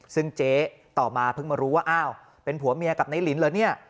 ซึ่งเจ๊ต่อมาเพิ่งมารู้ว่าอ้าวเป็นผัวเมียกับนายลินเหรอเนี่ย